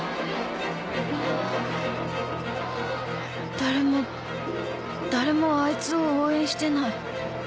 誰も誰もあいつを応援してない